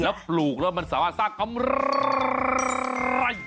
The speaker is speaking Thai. แล้วปลูกแล้วมันสามารถสร้างกำไร